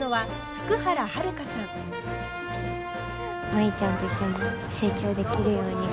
舞ちゃんと一緒に成長できるように。